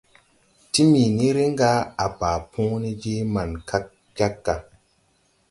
Timiini riŋ ga à baa põõ ne je maŋ kag jāg ga.